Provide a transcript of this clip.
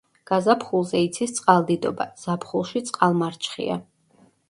გაზაფხულზე იცის წყალდიდობა, ზაფხულში წყალმარჩხია.